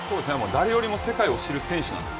誰よりも世界を知る選手です。